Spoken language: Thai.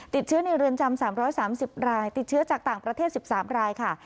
ติดเชื้อในเรือนจำ๓๓๐รายติดเชื้อจากต่างประเทศ๑๓รายค่ะ